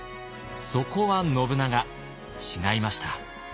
そこは信長違いました。